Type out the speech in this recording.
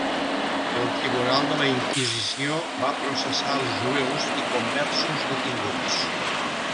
El Tribunal de la Inquisició va processar els jueus i conversos detinguts.